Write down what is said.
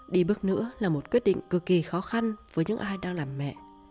đi bước nữa là một quyết định cực kỳ khó khăn với những ai đang làm mẹ